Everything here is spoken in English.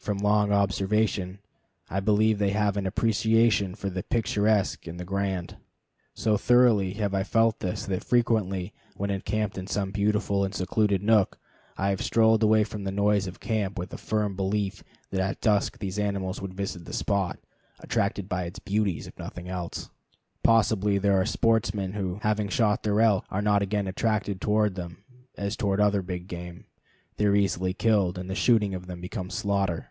From long observation, I believe they have an appreciation of the picturesque and the grand. So thoroughly have I felt this that frequently when encamped in some beautiful and secluded nook, I have strolled away from the noise of the camp with a firm belief that at dusk these animals would visit the spot, attracted by its beauties, if by nothing else. Possibly there are sportsmen who, having shot their elk, are not again attracted toward them, as toward other big game; they are easily killed, and the shooting of them becomes slaughter.